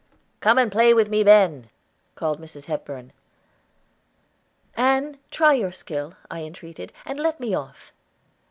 "Come, play with me, Ben," called Mrs. Hepburn. "Ann, try your skill," I entreated, "and let me off."